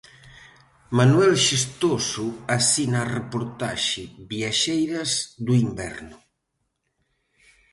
Manuel Xestoso asina a reportaxe Viaxeiras do inverno.